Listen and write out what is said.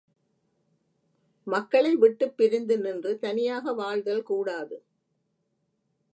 மக்களை விட்டுப் பிரிந்து நின்று தனியாக வாழ்தல் கூடாது.